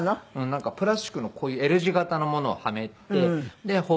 なんかプラスチックのこういうＬ字形のものをはめてで包帯で固めていくの。